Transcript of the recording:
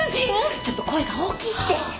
ちょっと声が大きいって。